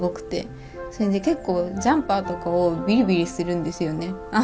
それで結構ジャンパーとかをビリビリするんですよね。